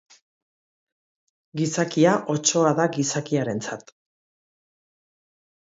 Gizakia, otsoa da gizakiarentzat